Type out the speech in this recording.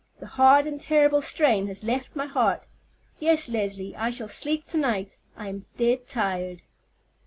"The hard and terrible strain has left my heart. Yes, Leslie, I shall sleep to night; I am dead tired."